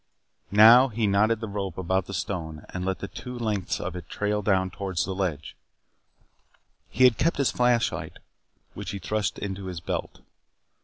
Now he knotted the rope about the stone and let the two lengths of it trail down toward the ledge. He had kept his flashlight which he thrust into his belt.